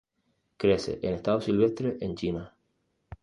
Crece en estado silvestre en China.